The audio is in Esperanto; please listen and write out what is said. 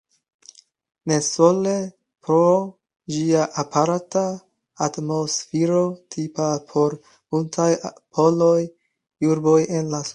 Ne sole pro ĝia aparta atmosfero, tipa por multaj polaj urboj en la sudo.